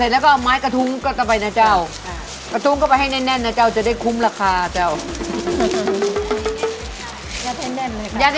เป็นชาโทงก่อนค่ะเป็นช่วงอาจจะทำเป็นชาโทง